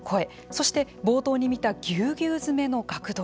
そして、冒頭に見たぎゅうぎゅうづめの学童。